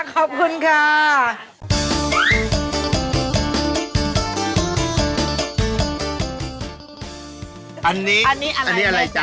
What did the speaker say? อ๋อเขาเรียกอะไรคะ